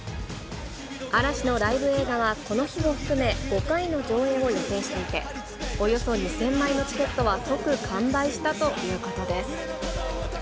嵐のライブ映画は、この日を含め、５回の上映を予定していて、およそ２０００枚のチケットは即完売したということです。